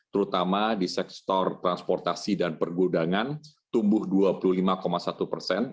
terutama di sektor transportasi dan pergudangan tumbuh dua puluh lima satu persen